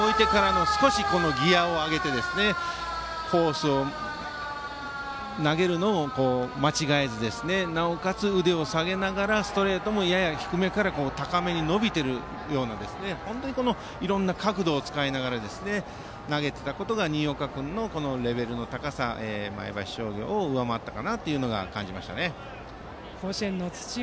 得点圏二塁にランナーを置いてから少しギヤを上げてからコースに投げるのを間違えずに、なおかつ腕を下げながらストレートもやや低めから高めに伸びているようないろいろな角度を使いながら投げていたことが新岡君のレベルの高さとして前橋商業を上回ったかなと感じました。